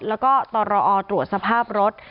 แล้วก็ตรอตรวจสภาพรถ